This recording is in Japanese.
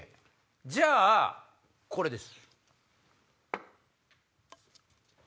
じゃあこれです。